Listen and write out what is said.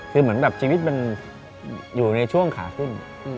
คือเหมือนแบบชีวิตมันอยู่ในช่วงขาขึ้น